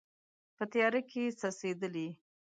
په تیاره کې څڅیدلې